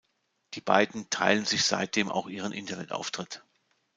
Die beiden teilen sich seitdem auch ihren Internetauftritt.